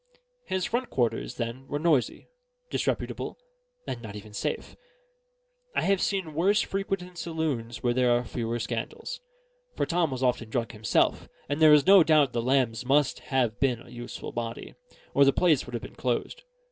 His front quarters, then, were noisy, disreputable, and not even safe. I have seen worse frequented saloons where there were fewer scandals; for Tom was often drunk himself; and there is no doubt the Lambs must have been a useful body, or the place would have been closed.